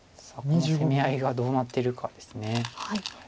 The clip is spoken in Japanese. この攻め合いがどうなってるかです。